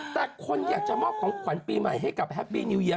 แต่คนอยากจะมอบของขวัญปีใหม่ให้กับแฮปปี้นิวเยี